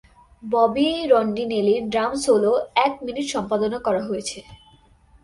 ববি রন্ডিনেলির ড্রাম সলোও এক মিনিট সম্পাদনা করা হয়েছে।